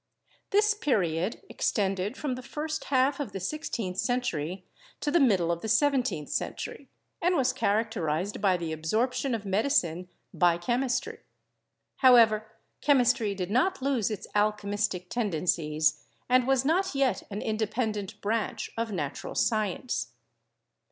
This period extended from the first half of the sixteenth century to the middle of the seventeenth century and was characterized by the absorption of medicine by chemistry. However, chemistry did not lose its alchemistic tendencies and was not yet an independent branch of natural science.